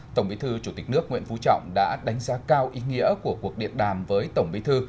tổng bí thư chủ tịch nước nguyễn phú trọng đã đánh giá cao ý nghĩa của cuộc điện đàm với tổng bí thư